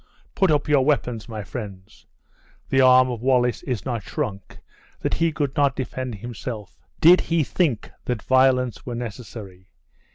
"Put up your weapons, my friends. The arm of Wallace is not shrunk, that he could not defend himself, did he think that violence were necessary.